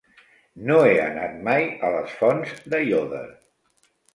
No he anat mai a les Fonts d'Aiòder.